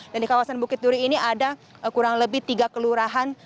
dan di kawasan bukit duri ini ada kurang lebih tiga kelurahan